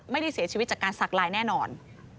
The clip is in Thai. ไม่ได้เสียชีวิตจากการสักลายแน่นอน